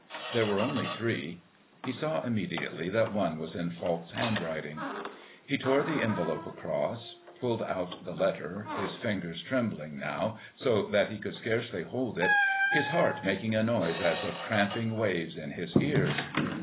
There were only three. He saw immediately that one was in Falk's handwriting. He tore the envelope across, pulled out the letter, his fingers trembling now so that he could scarcely hold it, his heart making a noise as of tramping waves in his ears.